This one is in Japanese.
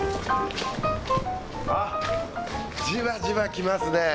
あっじわじわ来ますね。